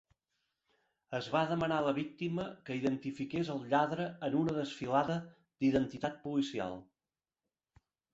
Es va demanar a la víctima que identifiqués el lladre en una desfilada d'identitat policial